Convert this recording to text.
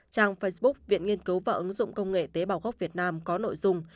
trang facebook viện nghiên cứu và ứng dụng công nghệ tế bào gốc việt nam có nội dung